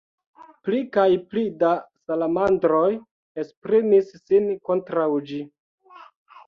Pli kaj pli da salamandroj esprimis sin kontraŭ ĝi.